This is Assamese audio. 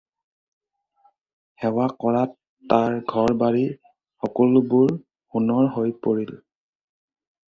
সেৱা কৰাত তাৰ ঘৰ-বাৰী সকলোবোৰ সোণৰ হৈ পৰিল।